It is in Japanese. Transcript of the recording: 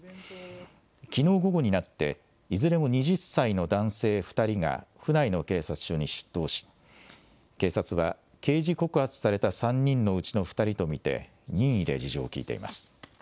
きのう午後になって、いずれも２０歳の男性２人が府内の警察署に出頭し、警察は、刑事告発された３人のうちの２人と見て、任意で事情を聴いています。